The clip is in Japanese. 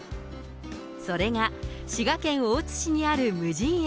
それが、滋賀県大津市にある無人駅。